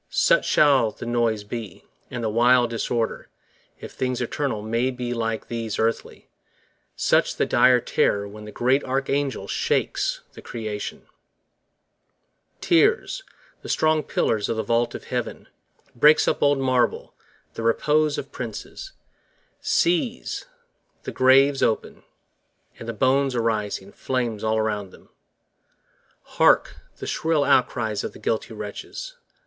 Such shall the noise be, and the wild disorder (If things eternal may be like these earthly), 10 Such the dire terror when the great Archangel Shakes the creation; Tears the strong pillars of the vault of Heaven, Breaks up old marble, the repose of princes, Sees the graves open, and the bones arising, 15 Flames all around them. Hark, the shrill outcries of the guilty wretches!